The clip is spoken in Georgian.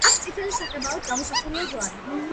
აქ წითელი საღებავით გამოსახულია ჯვარი.